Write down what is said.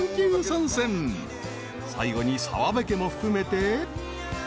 ［最後に澤部家も含めて］